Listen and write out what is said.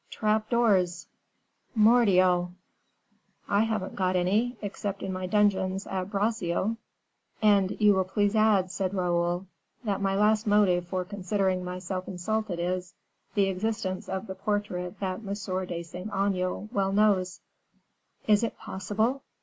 Trap doors! mordioux! I haven't got any, except in my dungeons at Bracieux." "And you will please add," said Raoul, "that my last motive for considering myself insulted is, the existence of the portrait that M. de Saint Aignan well knows." "Is it possible?